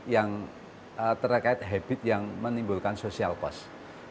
yang terkait habit yang menimbulkan social cost